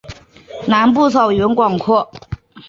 南部草原广阔。